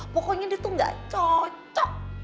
pokoknya dia tuh gak cocok